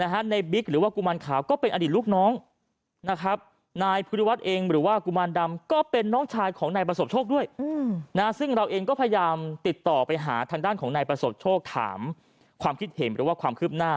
หนึ่งก็พยายามติดต่อไปหาด้านของในประสบโชกถามความคิดเห็นหรือความคืบหน้า